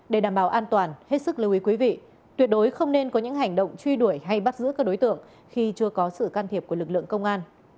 để đảm bảo an toàn hết sức lưu ý quý vị tuyệt đối không nên có những hành động truy đuổi hay bắt giữ các đối tượng khi chưa có sự can thiệp của lực lượng công an